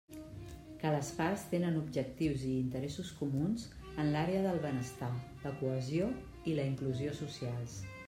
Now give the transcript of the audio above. Que les parts tenen objectius i interessos comuns en l'àrea del benestar, la cohesió i la inclusió socials.